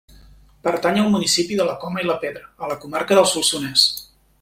Pertany al municipi de la Coma i la Pedra a la comarca del Solsonès.